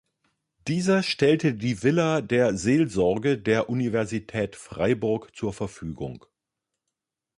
Dieser stellte die Villa der Seelsorge der Universität Freiburg zur Verfügung.